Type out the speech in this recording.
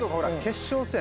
決勝戦